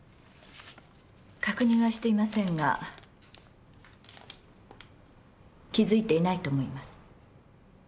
確認はしていませんが気付いていないと思います。